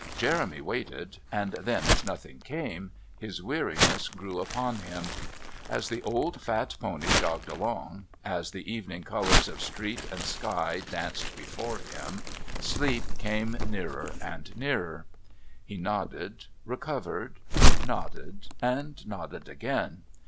Jeremy waited, and then as nothing came his weariness grew upon him. As the old fat pony jogged along, as the evening colours of street and sky danced before him, sleep came nearer and nearer. He nodded, recovered, nodded and nodded again.